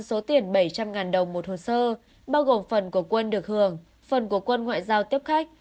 số tiền bảy trăm linh đồng một hồ sơ bao gồm phần của quân được hưởng phần của quân ngoại giao tiếp khách